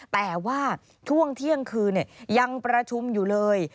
แต่ว่าช่วงเที่ยงคืนยังประชุมอยู่เลย